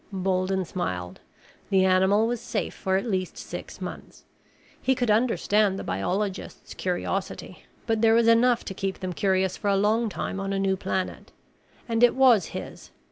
Bolden smiled. The animal was safe for at least six months. He could understand the biologists' curiosity, but there was enough to keep them curious for a long time on a new planet. And it was his.